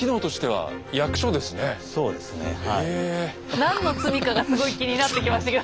何の罪かがすごい気になってきましたけど。